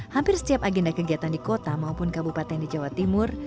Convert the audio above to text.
hampir setiap agenda kegiatan di kota maupun kabupaten di jawa timur